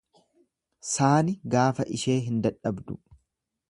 Saani gaafa ishee hin dadhabdu.